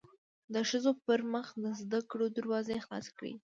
د ښځو پرمخ د زده کړو دروازې خلاصې کړی